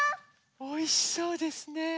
おいしそうですね。